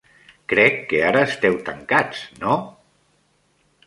Crec que ara esteu tancats, no?